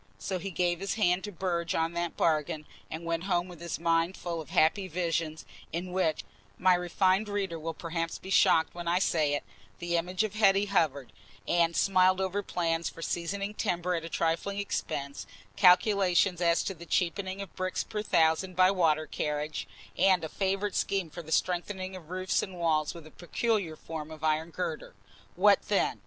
So he gave his hand to Burge on that bargain, and went home with his mind full of happy visions, in which (my refined reader will perhaps be shocked when I say it) the image of Hetty hovered, and smiled over plans for seasoning timber at a trifling expense, calculations as to the cheapening of bricks per thousand by water carriage, and a favourite scheme for the strengthening of roofs and walls with a peculiar form of iron girder. What then?